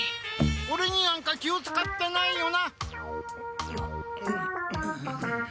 オレになんか気をつかってないよな。